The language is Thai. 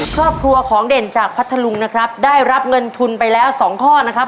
ครอบครัวของเด่นจากพัทธลุงนะครับได้รับเงินทุนไปแล้วสองข้อนะครับ